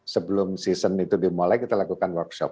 sebelum season itu dimulai kita lakukan workshop